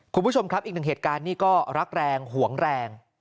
คุณผู้ชมครับอีกหนึ่งเหตุการณ์นี้ก็รักแรงหวงแรง